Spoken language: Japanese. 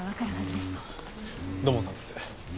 土門さんです。